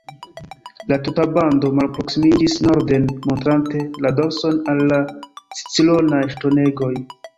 La tuta bando malproksimiĝis norden, montrante la dorson al la Scironaj ŝtonegoj.